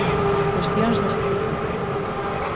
Cuestións dese tipo.